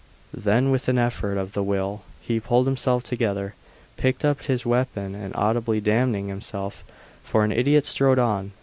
Then with an effort of the will he pulled himself together, picked up his weapon and audibly damning himself for an idiot strode on.